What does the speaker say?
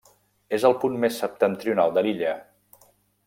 És el punt més septentrional de l'illa.